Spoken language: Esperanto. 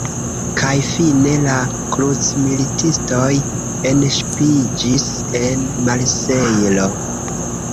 Kaj fine la “krucmilitistoj” enŝipiĝis en Marsejlo.